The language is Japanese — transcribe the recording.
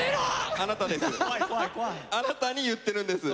あなたに言ってるんです。